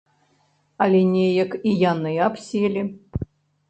Але неяк і яны абселі.